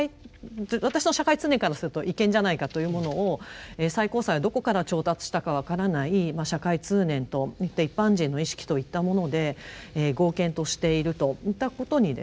私の社会通念からすると違憲じゃないかというものを最高裁はどこから調達したか分からない社会通念と一般人の意識といったもので合憲としているといったことにですね